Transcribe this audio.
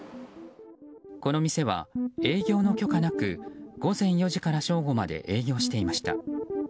この店は営業の許可なく午前４時から正午まで営業していました。